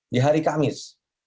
di hari kamis